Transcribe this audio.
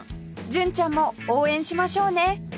純ちゃんも応援しましょうね